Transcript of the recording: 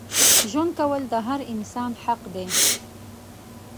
ژوند کول د هر انسان حق دی.